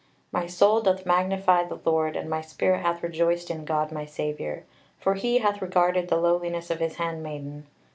My soul doth magnify the Lord, and my spirit hath rejoiced in God my Saviour. For He hath regarded the lowliness of His handmaiden."